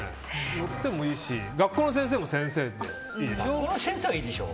乗ってもいいし、学校の先生も先生でいいでしょ。